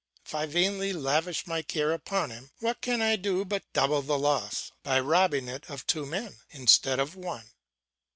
If I vainly lavish my care upon him, what can I do but double the loss to society by robbing it of two men, instead of one?